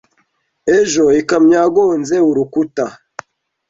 Ejo ikamyo yagonze urukuta.